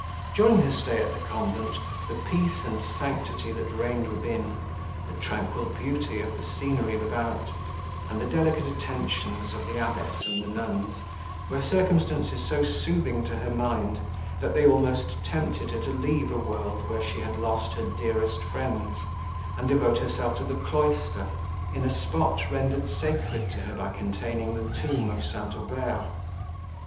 During her stay at the convent, the peace and sanctity that reigned within, the tranquil beauty of the scenery without, and the delicate attentions of the abbess and the nuns, were circumstances so soothing to her mind, that they almost tempted her to leave a world, where she had lost her dearest friends, and devote herself to the cloister, in a spot, rendered sacred to her by containing the tomb of St. Aubert.